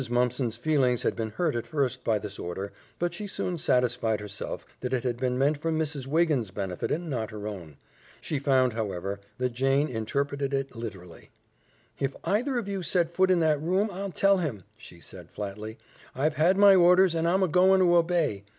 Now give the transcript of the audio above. Mumpson's feelings had been hurt at first by this order, but she soon satisfied herself that it had been meant for Mrs. Wiggins' benefit and not her own. She found, however, that Jane interpreted it literally. "If either of you set foot in that room, I'll tell him," she said flatly. "I've had my orders and I'm a goin' to obey.